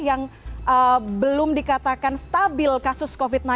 yang belum dikatakan stabil kasus covid sembilan belas